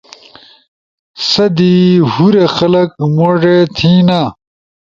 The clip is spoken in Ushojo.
سہ دی ہور خلق موڙے تھینا